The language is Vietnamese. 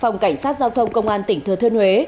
phòng cảnh sát giao thông công an tỉnh thừa thiên huế